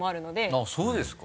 あっそうですか？